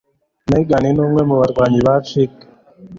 Megan numwe mubarwanyi ba chic.